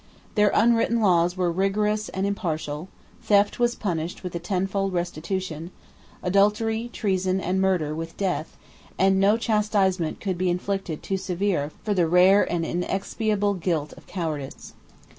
Their unwritten laws were rigorous and impartial: theft was punished with a tenfold restitution; adultery, treason, and murder, with death; and no chastisement could be inflicted too severe for the rare and inexpiable guilt of cowardice.